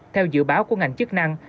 theo dự báo của ngành chức năng